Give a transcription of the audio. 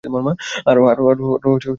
আরো ড্রিঙ্ক করবে?